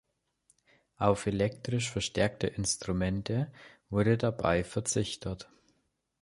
Auf elektrisch verstärkte Instrumente wurde dabei verzichtet.